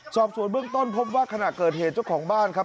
สอบสวนเบื้องต้นพบว่าขณะเกิดเหตุเจ้าของบ้านครับ